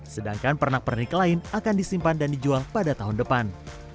sedangkan pernak pernik lain akan disimpan dan dijual pada tahun depan